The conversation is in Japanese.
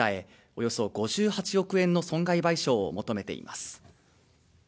およそ５８億円の損害賠償を求めています